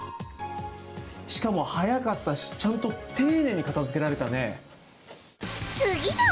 しかもはやかったしちゃんとていねいにかたづけられたね。